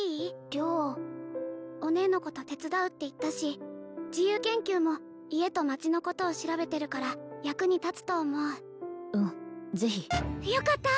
良お姉のこと手伝うって言ったし自由研究も家と町のことを調べてるから役に立つと思ううんぜひよかった！